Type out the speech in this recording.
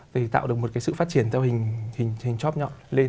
để tạo được một cái sự phát triển theo hình thành chóp nhọn lên